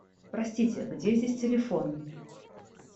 Простите, где здесь телефон?